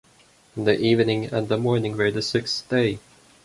And the evening and the morning were the sixth day.